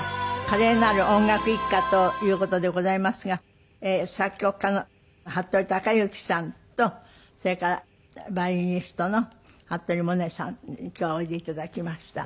華麗なる音楽一家という事でございますが作曲家の服部之さんとそれからヴァイオリニストの服部百音さんに今日はおいでいただきました。